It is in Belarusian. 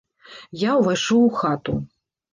Я ўвайшоў у хату.